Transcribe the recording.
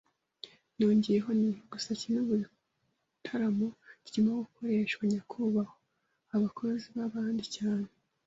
Nongeyeho nti: "Gusa kimwe mu bitaramo kirimo gukoreshwa, nyakubahwa". “Abakozi b'abandi cyane